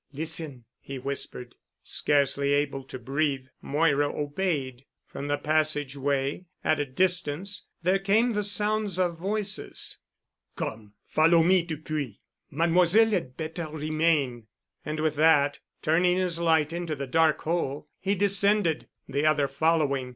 "Listen," he whispered. Scarcely able to breathe, Moira obeyed. From the passage way at a distance, there came the sounds of voices. "Come, follow me, Dupuy! Mademoiselle had better remain." And with that, turning his light into the dark hole, he descended, the other following.